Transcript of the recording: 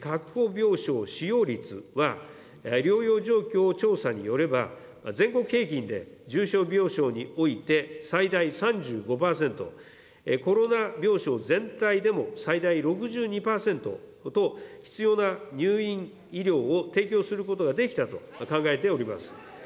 病床使用率は、療養状況調査によれば、全国平均で重症病床において、最大３５％、コロナ病床全体でも最大６２％と、必要な入院医療を提供することができたと考えております。